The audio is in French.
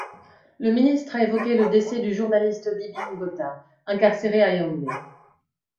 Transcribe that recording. Le ministre a évoqué le décès du journaliste Bibi Ngota, incarcéré à Yaoundé.